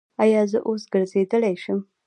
ایا زه اوس ګرځیدلی شم؟